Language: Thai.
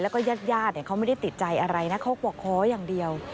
และแยดเขาไม่ได้ติดใจอะไรนะเขาก็บอกขออย่างเดียว